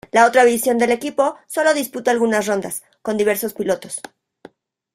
La otra división del equipo sólo disputa algunas rondas, con diversos pilotos.